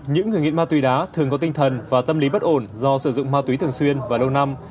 những người nghiện ma túy đá thường có tinh thần và tâm lý bất ổn do sử dụng ma túy thường xuyên vào đầu năm